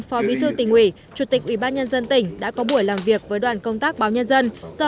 phó bí thư tỉnh ủy chủ tịch ubnd tỉnh đã có buổi làm việc với đoàn công tác báo nhân dân do